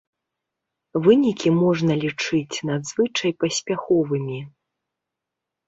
Вынікі можна лічыць надзвычай паспяховымі.